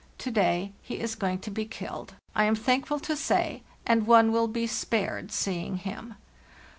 To day he is going to be killed, I am thankful to say, and one will be spared seeing him.